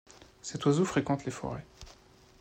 Cet oiseau fréquente les forêts.